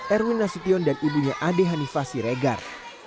erwin nasution dan ibunya ade hanifah siregar